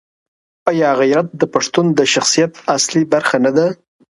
آیا غیرت د پښتون د شخصیت اصلي برخه نه ده؟